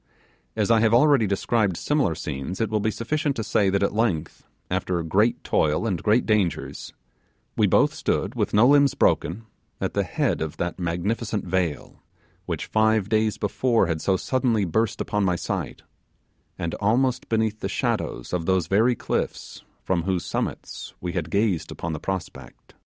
As I have already described similar scenes, it will be sufficient to say that at length, after great toil and great dangers, we both stood with no limbs broken at the head of that magnificent vale which five days before had so suddenly burst upon my sight, and almost beneath the shadow of those very cliffs from whose summits we had gazed upon the prospect. CHAPT